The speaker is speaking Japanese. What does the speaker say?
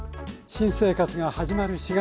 新生活が始まる４月。